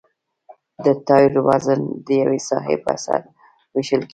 د ټایر وزن د یوې ساحې په سر ویشل کیږي